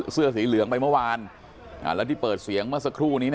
เสื้อสีเหลืองไปเมื่อวานแล้วที่เปิดเสียงเมื่อสักครู่นี้